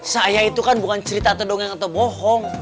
saya itu kan bukan cerita terdengar atau bohong